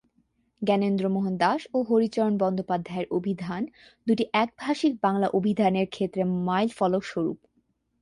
জ্ঞানেন্দ্রমোহন দাস এবং হরিচরণ বন্দ্যোপাধ্যায়ের অভিধান দুটি একভাষিক বাংলা অভিধানের ক্ষেত্রে মাইলফলক স্বরূপ।